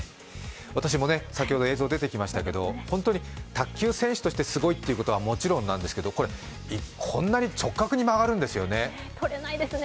私も、先ほど映像出てきましたけど本当に卓球選手としてすごいということはもちろんなんですが、こんなに直角に曲がるんですよね。